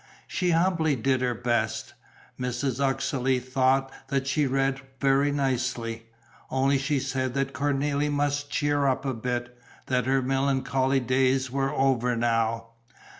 She humbly did her best. Mrs. Uxeley thought that she read very nicely, only she said that Cornélie must cheer up a bit, that her melancholy days were over now.